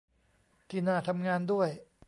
ที่น่าทำงานด้วย